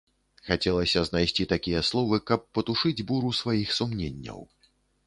Хацелася знайсці такія словы, каб патушыць буру сваіх сумненняў.